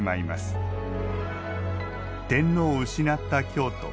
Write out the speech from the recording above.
天皇を失った京都。